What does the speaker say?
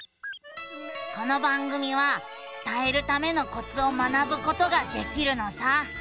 この番組は伝えるためのコツを学ぶことができるのさ。